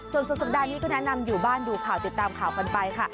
ส่วนสุดสัปดาห์นี้ก็แนะนำอยู่บ้านดูข่าวติดตามข่าวกันไปค่ะ